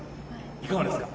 いかがですか。